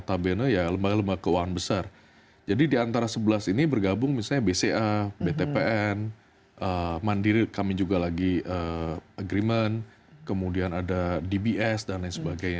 antara sebelas ini bergabung misalnya bca btpn mandiri kami juga lagi agreement kemudian ada dbs dan lain sebagainya